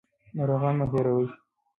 ناروغان مه هېروئ.